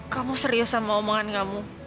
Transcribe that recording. kamu serius sama omongan kamu